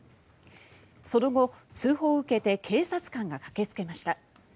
その後、通報を受けて警察官が駆けつけました。